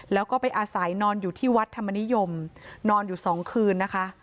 แล้วก็ไปอาศัยนอนอยู่ที่วัดธรรมนิยมนอนอยู่สองคืนนะคะ